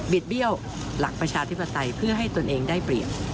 ดเบี้ยวหลักประชาธิปไตยเพื่อให้ตนเองได้เปรียบ